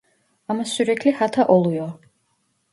Ama sürekli hata oluyor